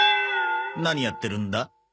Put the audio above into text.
何やってるんだ？